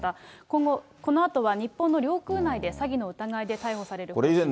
今後、このあとは日本の領空内で詐欺の疑いで逮捕される方針です。